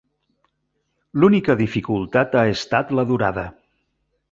L'única dificultat ha estat la durada.